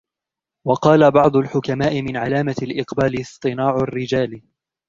وَقَالَ بَعْضُ الْحُكَمَاءِ مِنْ عَلَامَةِ الْإِقْبَالِ اصْطِنَاعُ الرِّجَالِ